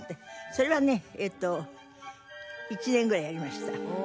それはねえっと１年ぐらいやりました。